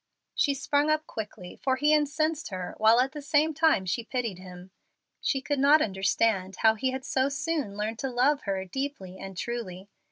She sprung up quickly, for he incensed her, while at the same time she pitied him. She could not understand how he had so soon learned to love her "deeply and truly."